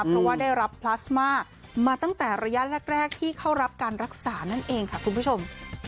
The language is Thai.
เพราะว่าได้รับพลาสมามาตั้งแต่ระยะแรกที่เข้ารับการรักษานั่นเองค่ะคุณผู้ชม